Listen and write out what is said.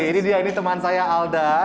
ini dia ini teman saya alda